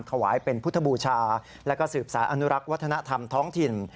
ถวายเป็นพุทธบูชาและก็สืบสารอนุรักษ์วัฒนธรรมท้องถิ่น